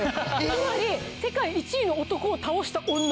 つまり世界１位の男を倒した女。